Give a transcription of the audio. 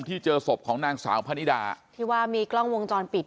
เจอศพของนางสาวพนิดาที่ว่ามีกล้องวงจรปิด